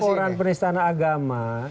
pada laporan peristana agama